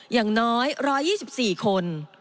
อย่างน้อย๑๒๔คน